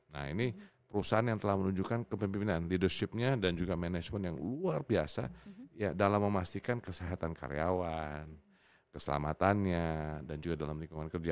nah ini perusahaan yang telah menunjukkan kepemimpinan leadership nya dan juga manajemen yang luar biasa ya dalam memastikan kesehatan karyawan keselamatannya dan juga dalam lingkungan kerja